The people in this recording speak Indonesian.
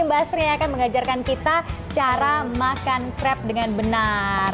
mbak sri yang akan mengajarkan kita cara makan krep dengan benar